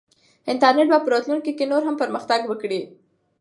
انټرنیټ به په راتلونکي کې نور هم پرمختګ وکړي.